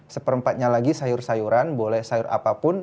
seperempatnya lagi sayur sayuran boleh sayur apapun